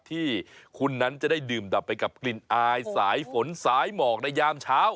ที่คุณนั้นจะได้ดื่มดับไปกับกลิ่นอายสายฝนสายหมอกในยามเช้า